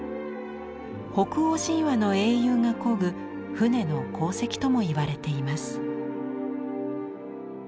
北欧神話の英雄がこぐ船の航跡ともいわれています。